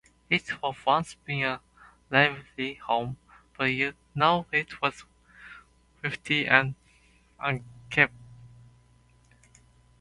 It had once been a lively home, but now it was filthy and unkempt.